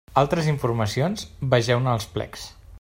Altres informacions: vegeu-ne els plecs.